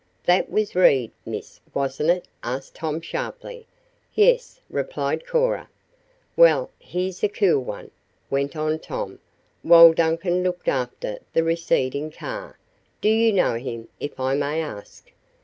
"That was Reed, miss, wasn't it?" asked Tom sharply. "Yes," replied Cora. "Well, he's a cool one," went on Tom, while Duncan looked after the receding car. "Do you know him, if I may ask?"